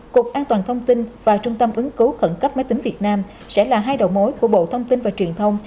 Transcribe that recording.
cục an toàn thông tin và trung tâm ứng cứu khẩn cấp máy tính việt nam sẽ là hai đầu mối của bộ thông tin và truyền thông